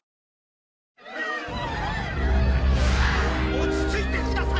落ち着いてください！